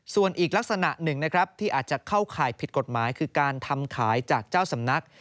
ส่วนอีกลักษณะหนึ่งนะครับที่อาจจะเข้าข่ายผิดกฎหมายคือการทำขายจากเจ้าสำนัก